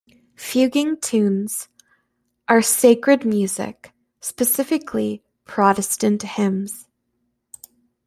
Fuguing tunes are sacred music, specifically, Protestant hymns.